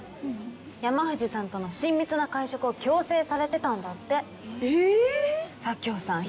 山藤さんとの親密な会食を強制されてたんええー？